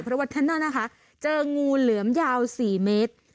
เพราะว่าท่านนั้นนะคะเจองูเหลือมยาว๔เมตร